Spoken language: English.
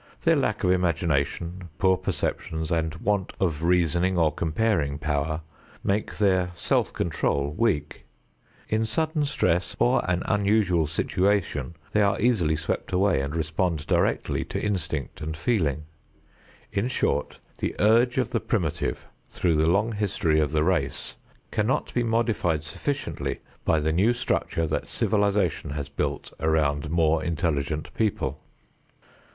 Their lack of imagination, poor perceptions and want of reasoning or comparing power, make their self control weak. In sudden stress or an unusual situation, they are easily swept away and respond directly to instinct and feeling. In short the urge of the primitive through the long history of the race cannot be modified sufficiently by the new structure that civilization has built around more intelligent people.